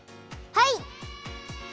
はい！